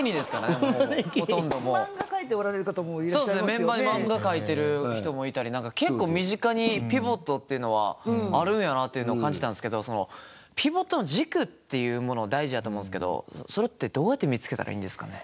メンバーに漫画描いてる人もいたり何か結構身近にピボットっていうのはあるんやなっていうのを感じたんすけどそのピボットの軸っていうもの大事やと思うんすけどそれってどうやって見つけたらいいんですかね？